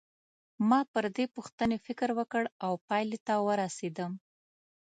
ما پر دې پوښتنې فکر وکړ او پایلې ته ورسېدم.